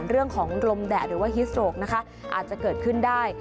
เรื่องของลมแดดหรือว่าฮิสโตรกนะคะอาจจะเกิดขึ้นได้